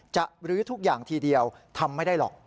ลื้อทุกอย่างทีเดียวทำไม่ได้หรอก